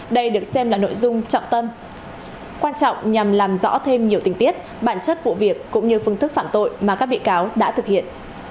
đây được xem là nội dung trọng tâm quan trọng nhằm làm rõ thêm nhiều tình tiết bản chất vụ việc cũng như phương thức phản tội mà các bị cáo đã thực hiện